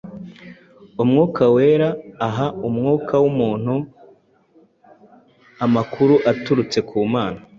Umwuka Wera aha umwuka w’umuntu amakuru aturutse ku Mana,